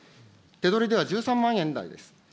手取りでは１３万円台です。